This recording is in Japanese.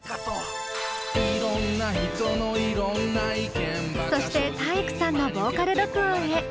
「いろんな人のいろんな意見」そして体育さんのボーカル録音へ。